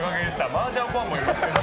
マージャンファンもいますけど。